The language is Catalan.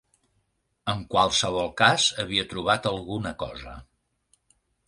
En qualsevol cas, havia trobat alguna cosa.